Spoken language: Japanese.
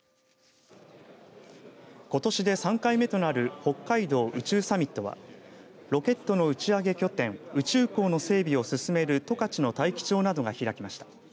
ことしで３回目となる北海道宇宙サミットはロケットの打ち上げ拠点宇宙港の整備を進める十勝の大樹町などが開きました。